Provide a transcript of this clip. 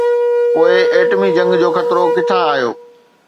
پوءِ ايٽمي جنگ جو خطرو ڪٿان آيو؟